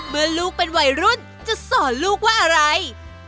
ลูกเป็นวัยรุ่นจะสอนลูกว่าอะไร